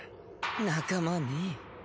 仲間ねぇ。